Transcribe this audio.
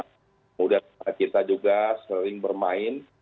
kemudian kita juga sering bermain